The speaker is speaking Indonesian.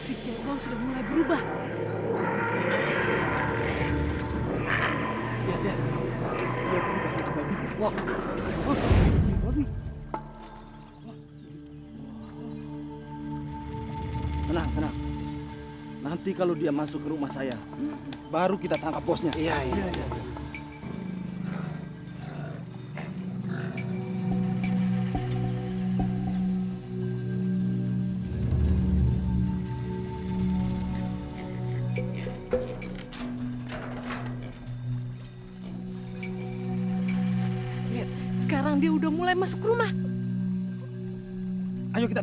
itu orang cebolnya keluar itu dia akhirnya si cebol keluar dari mobilnya